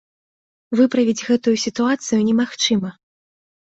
Выправіць гэтую сітуацыю немагчыма.